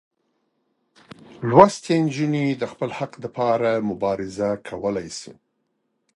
لوستې نجونې د خپل حق لپاره مبارزه کولی شي.